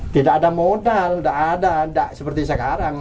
tidak ada modal tidak ada tidak seperti sekarang